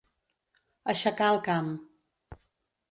Aixecar el camp.